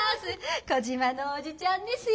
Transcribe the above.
コジマのおじちゃんですよ。